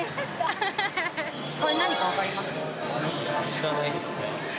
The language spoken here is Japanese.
これ何かわかります？